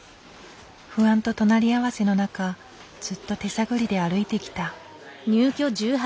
不安と隣り合わせの中ずっと手探りで歩いてきた。